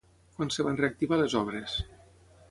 Quan es van reactivar les obres?